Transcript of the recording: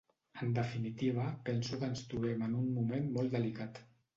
En definitiva, penso que ens trobem en un moment molt delicat.